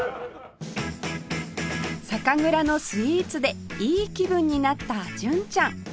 酒蔵のスイーツでいい気分になった純ちゃん